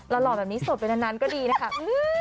แล้วหล่อแบบนี้สดไปนานก็ดีนะครับ